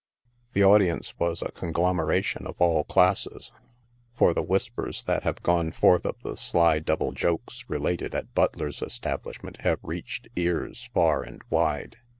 The audience was a conglomeration of all classes, for the whis pers that have gone forth of the sly double jokes related at Butler's establishment have reached ears far and wide.